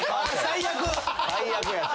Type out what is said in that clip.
最悪やて。